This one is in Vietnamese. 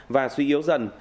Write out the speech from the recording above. và suy yếu dần